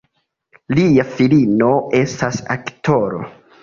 Lia filino estas aktoro.